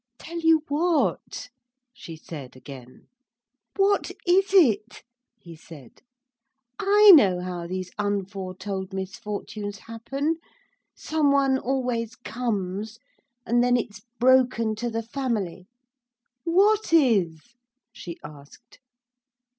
'Tell you what?' she said again. 'What is it?' he said. 'I know how these unforetold misfortunes happen. Some one always comes and then it's broken to the family.' 'What is?' she asked.